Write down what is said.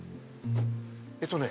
えっとね